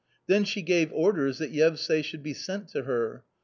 Then she gave orders that Yevsay should be sent to her.